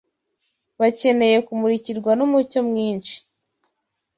Bakeneye kumurikirwa n’umucyo mwinshi.